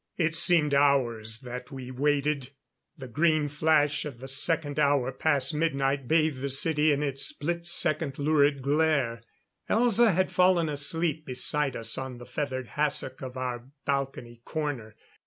It seemed hours that we waited. The green flash of the second hour past midnight bathed the city in its split second lurid glare. Elza had fallen asleep, beside us on the feathered hassock of our balcony corner.